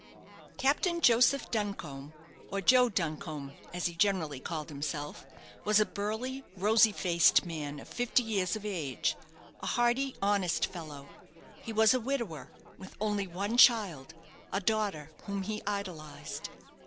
Captain Joseph Duncombe, or Joe Duncombe, as he generally called himself, was a burly, rosy faced man of fifty years of age; a hearty, honest fellow. He was a widower, with only one child, a daughter, whom he idolized.